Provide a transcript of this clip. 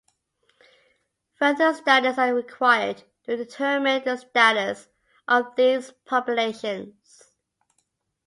Further studies are required to determine the status of these populations.